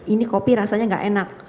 ini kopi rasanya nggak enak